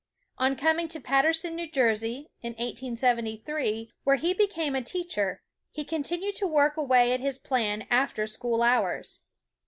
On coming to Paterson, New Jersey, in 1873, where he be came a teacher, he continued to work away at his plan after school hours.